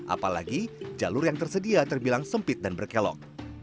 apalagi jalur yang tersedia terbilang sempit dan berkelok